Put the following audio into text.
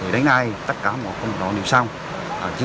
đến nay tất cả mọi công đoạn đều xong